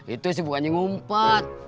itu sih bukannya ngumpet